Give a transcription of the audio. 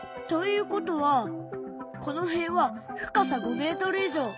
ということはこの辺は深さ５メートル以上。